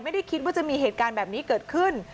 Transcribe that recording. ไม่ได้คิดว่าจะมีเหตุการณ์แบบนี้เกิดขึ้น